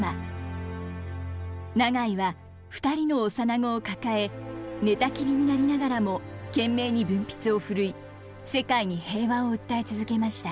永井は２人の幼子を抱え寝たきりになりながらも懸命に文筆を振るい世界に平和を訴え続けました。